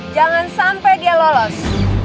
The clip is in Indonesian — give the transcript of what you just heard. jangan sampai dia lolos